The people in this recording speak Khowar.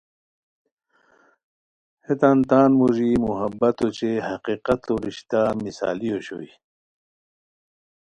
ہیتان تان موژی محبت اوچے حقیقتو رشتہ مثالی اوشوئے